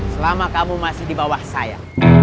selama kamu masih di bawah saya